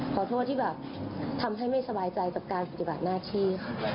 ขอโทษที่แบบทำให้ไม่สบายใจกับการปฏิบัติหน้าที่